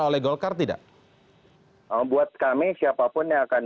fokus ke baru dan menyebarkan